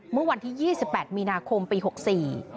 เมื่อวันที่๒๘มีนาคมปี๖๔